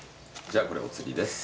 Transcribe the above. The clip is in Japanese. じゃあこれお釣りです。